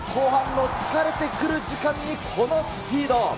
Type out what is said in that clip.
後半の疲れてくる時間に、このスピード。